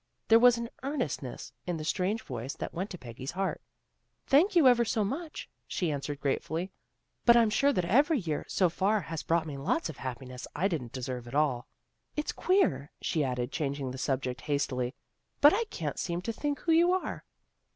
There was an earnestness hi the strange voice that went to Peggy's heart. " Thank you ever so much," she answered gratefully. " But I'm sure that every year, so far, has brought me lots of happiness I didn't deserve at all. It's 218 THE GIRLS OF FRIENDLY TERRACE queer," she added, changing the subject hastily, " But I can't seem to think who you are."